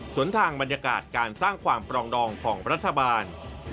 ส่วนทางบรรยากาศการสร้างความปรองดองของรัฐบาล